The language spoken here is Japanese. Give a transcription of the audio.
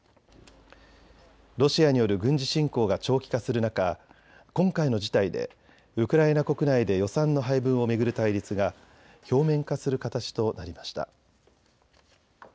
ロシアによる軍事侵攻が長期化する中、今回の事態でウクライナ国内で予算の配分を巡る対立が表面化する形となりました。